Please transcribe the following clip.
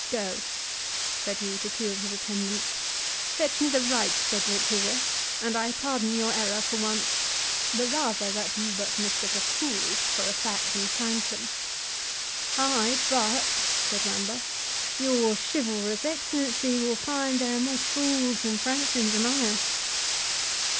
—Go," said he to two of his attendants, "fetch me the right Cedric hither, and I pardon your error for once; the rather that you but mistook a fool for a Saxon franklin." "Ay, but," said Wamba, "your chivalrous excellency will find there are more fools than franklins among us."